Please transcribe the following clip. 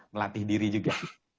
melatih diri juga